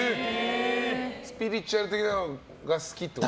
スピリチュアル的なのが好きってこと？